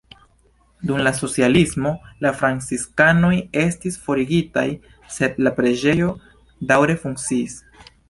Dum la socialismo la franciskanoj estis forigitaj, sed la preĝejo daŭre funkciis.